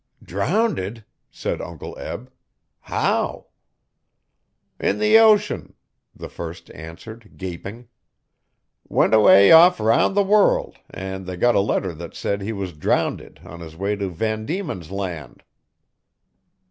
'Drownded!' said Uncle Eb. 'How?' 'In the ocean,' the first answered gaping. 'Went away off 'round the world an' they got a letter that said he was drownded on his way to Van Dieman's Land.'